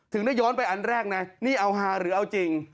ได้ย้อนไปอันแรกนะนี่เอาฮาหรือเอาจริง